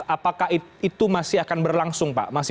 apakah itu masih akan berlangsung pak